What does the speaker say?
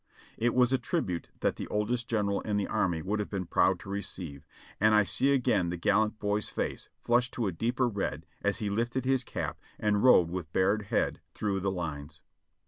It was a tribute that the oldest general in the army would have been proud to receive, and I see again the gallant boy's face flush to a deeper red as he lifted his cap and rode with bared head through the lines.